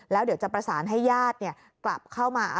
แล้วเดี๋ยวจะประสานให้ญาติกลับเข้ามา